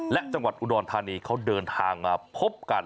และจังหวัดอุดรธานีเขาเดินทางมาพบกัน